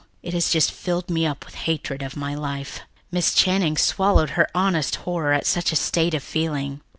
It has just filled me up with hatred of my life." Miss Channing swallowed her honest horror at such a state of feeling.